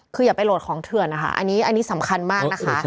คืออย่าไปโหลดของเถื่อนนะคะอันนี้สำคัญมากนะคะ